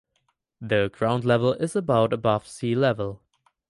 The ground level is about above sea level.